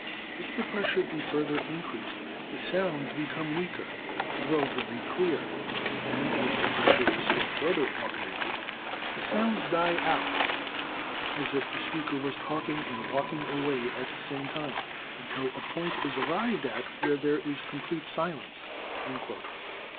If the pressure be further increased, the sounds become weaker, tho very clear, and, as the pressure is still further augmented, the sounds die out (as if the speaker was talking and walk ing away at the same time) until a point is arrived at where there is complete silence."